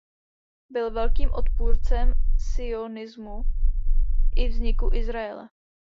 Byl velkým odpůrcem sionismu i vzniku Izraele.